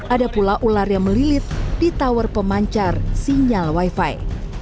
ada pula ular yang melilit di tower pemancar sinyal wifi